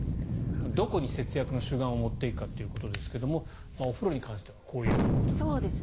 どこに節約の主眼を持っていくかということですがお風呂に関してはこういうことなんですね。